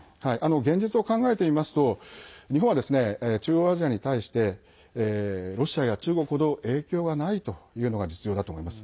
現実を考えてみますと日本は中央アジアに対してロシアや中国ほど影響がないというのが実情だと思います。